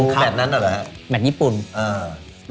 กว่าโอ้โฮ